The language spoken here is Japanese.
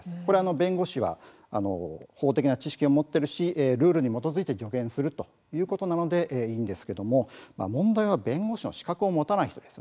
弁護士は法的な知識を持っているしルールに基づいて助言をするということなのでいいんですけれども問題は弁護士の資格を持たない人です。